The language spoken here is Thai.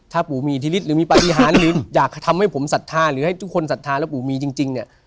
ถ้าปู่มีอิทธิฤทธิหรือมีปฏิหารหรืออยากทำให้ผมศรัทธาหรือให้ทุกคนศรัทธาแล้วปู่มีจริงเนี่ย